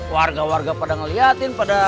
warga warga pada ngeliatin